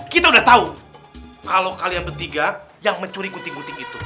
kita udah tahu kalau kalian bertiga yang mencuri gunting gunting itu